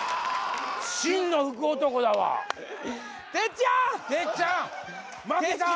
真の福男だわてっちゃん！